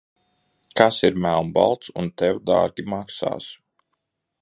Kas ir melnbalts un tev dārgi maksās?